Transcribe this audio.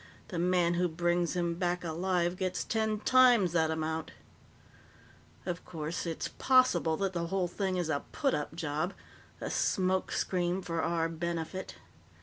The man who brings him back alive gets ten times that amount. "Of course, it's possible that the whole thing is a put up job a smoke screen for our benefit.